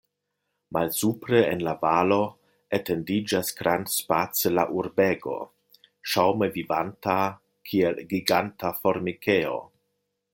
Malsupre, en la valo, etendiĝas grandspace la urbego, ŝaŭme vivanta, kiel giganta formikejo.